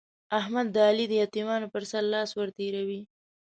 احمد د علي د يتيمانو پر سر لاس ور تېروي.